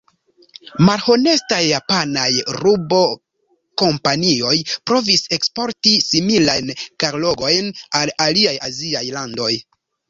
Malhonestaj japanaj rubo-kompanioj provis eksporti similajn kargojn al aliaj aziaj landoj.